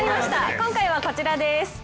今回はこちらです。